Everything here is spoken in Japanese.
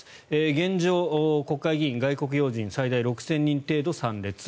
現状、国会議員、外国要人最大６０００人程度参列。